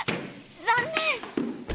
残念！